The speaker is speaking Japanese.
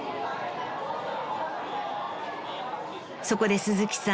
［そこで鈴木さん